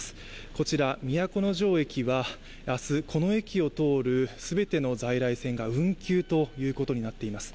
こちら、都城駅では明日、この駅を通る全ての在来線が運休ということになっています。